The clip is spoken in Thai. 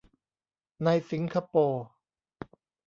ในสิงคโปร์